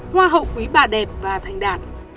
hoa hậu quý bà đẹp và thành đạt